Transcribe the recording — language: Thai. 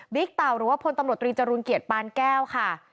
เต่าหรือว่าพลตำรวจตรีจรูลเกียรติปานแก้วค่ะ